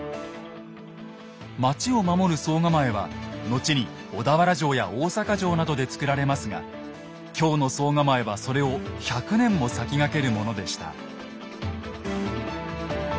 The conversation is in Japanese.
町を守る惣構は後に小田原城や大坂城などで造られますが京の惣構はそれを１００年も先駆けるものでした。